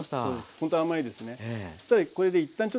ほんと甘いですね。